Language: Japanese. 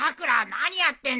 何やってんだ。